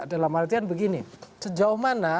dalam artian begini sejauh mana